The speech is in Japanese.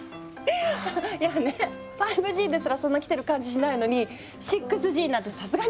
いやね５Ｇですらそんなキテる感じしないのに６Ｇなんてさすがにムリあるでしょ。